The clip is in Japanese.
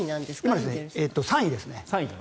今、３位ですね。